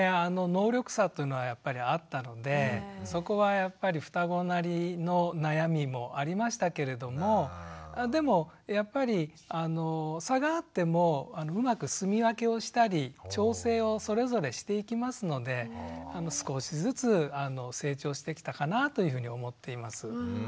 能力差というのはやっぱりあったのでそこはやっぱりふたごなりの悩みもありましたけれどもでもやっぱり差があってもうまくすみ分けをしたり調整をそれぞれしていきますので少しずつ成長してきたかなというふうに思っています。